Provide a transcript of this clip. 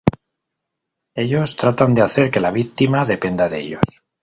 Ellos tratan de hacer que la víctima dependa de ellos.